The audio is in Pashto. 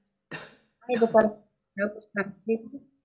آیا د پلاستیک کارول کم شوي؟